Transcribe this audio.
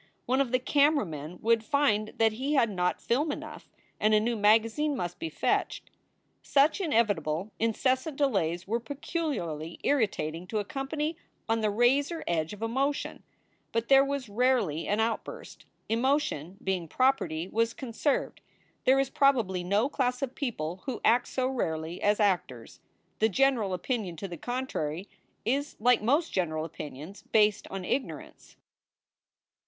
one of the camera men would find that he had not film enough and a new magazine must be fetched. Such inevitable, incessant delays were peculiarly irritat ing to a company on the razor edge of emotion, but there was rarely an outburst. Emotion, being property, was conserved. There is probably no class of people who act so rarely as actors. The general opinion to the contrary is like most general opinions based on ignorance.